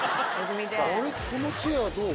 このチェアはどう？